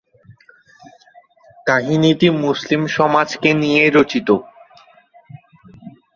কাহিনীটি মুসলমান সমাজকে নিয়ে রচিত।